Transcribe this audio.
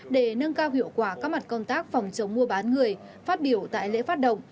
để nâng cao hiệu quả các mặt công tác phòng chống mua bán người phát biểu tại lễ phát động